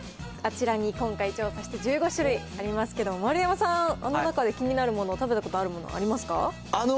あちらに今回調査した１５種類ありますけども、丸山さん、あの中で気になるもの、食べたことあるもの、ありますか？